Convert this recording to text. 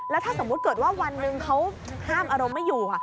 แล้วถ้าสมมุติเกิดว่าวันหนึ่งเขาห้ามอารมณ์ไม่อยู่